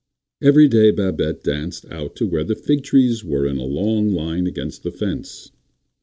Every day Babette danced out to where the fig trees were in a long line against the fence.